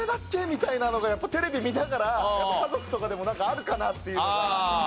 みたいなのがやっぱテレビ見ながら家族とかでもあるかなっていうのが。